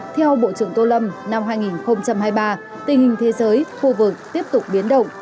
theo bộ trưởng tô lâm năm hai nghìn hai mươi ba tình hình thế giới khu vực tiếp tục biến động